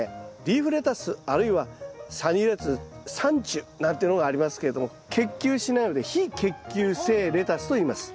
リーフレタスあるいはサニーレタスサンチュなんてのがありますけれども結球しないので非結球性レタスといいます。